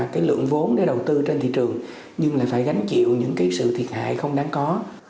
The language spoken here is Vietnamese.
cái lượng vốn để đầu tư trên thị trường nhưng lại phải gánh chịu những cái sự thiệt hại không đáng có